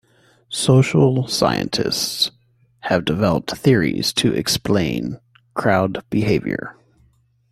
Social scientists have developed theories to explain crowd behavior.